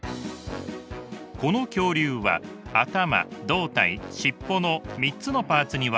この恐竜は頭胴体尻尾の３つのパーツに分かれています。